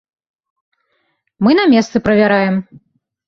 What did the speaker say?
Мы на месцы правяраем.